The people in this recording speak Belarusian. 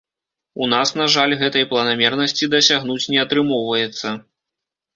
У нас, на жаль, гэтай планамернасці дасягнуць не атрымоўваецца.